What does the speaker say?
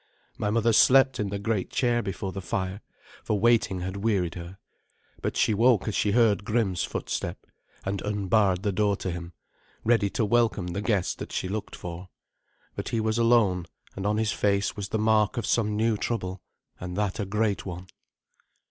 My mother slept in the great chair before the fire, for waiting had wearied her, but she woke as she heard Grim's footstep, and unbarred the door to him, ready to welcome the guest that she looked for. But he was alone, and on his face was the mark of some new trouble, and that a great one.